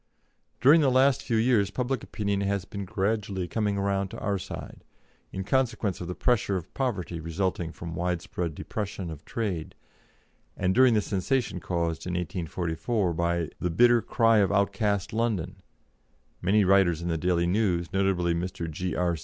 During the last few years public opinion has been gradually coming round to our side, in consequence of the pressure of poverty resulting from widespread depression of trade, and during the sensation caused in 1884 by "The Bitter Cry of Outcast London," many writers in the Daily News notably Mr. G.R.